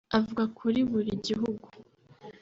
Avuga kuri buri gihugu